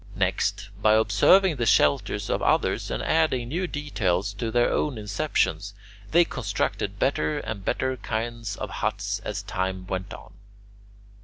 Next, by observing the shelters of others and adding new details to their own inceptions, they constructed better and better kinds of huts as time went on.